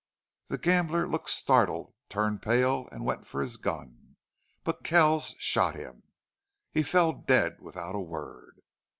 The gambler looked startled, turned pale, and went for his gun. But Kells shot him!... He fell dead, without a word.